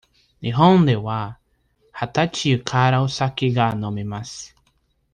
日本では二十歳からお酒が飲めます。